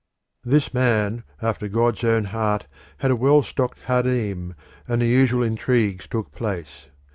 This man after God's own heart had a well stocked harem, and the usual intrigues took place.